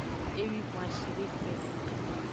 Ewwivon ashideke.